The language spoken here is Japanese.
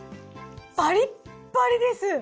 パリッパリです！